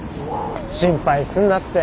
心配すんなって。